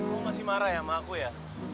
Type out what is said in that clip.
aku masih marah ya sama aku ya